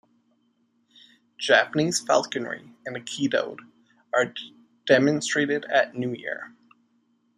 Japanese falconry and aikido are demonstrated at New Year.